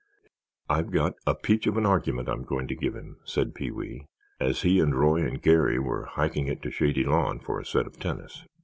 "I've got a peach of an argument I'm going to give him," said Pee wee, as he and Roy and Garry were hiking it to Shady Lawn for a set of tennis.